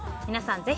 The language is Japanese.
皆さん